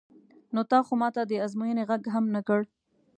نو تا خو ما ته د ازموینې غږ هم نه کړ.